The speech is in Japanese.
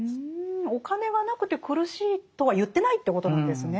お金がなくて苦しいとは言ってないということなんですね。